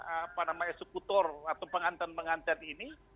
apa nama eksekutor atau pengantin pengantin ini